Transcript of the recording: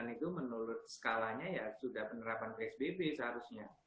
itu menurut skalanya ya sudah penerapan psbb seharusnya